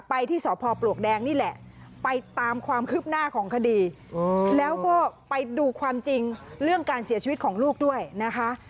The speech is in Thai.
ไปที่สพปลวกแดงนี่แหละไปตามความคืบหน้าของคดีแล้วก็ไปดูความจริงเรื่องการเสียชีวิตของลูกด้วยนะคะ